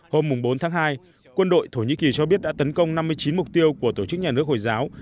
hôm bốn tháng hai quân đội thổ nhĩ kỳ cho biết đã tấn công năm mươi chín mục tiêu của tổ chức nhà nước hồi giáo